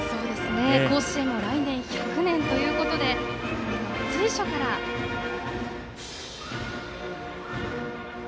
甲子園は来年１００年ということで随所から感じますね。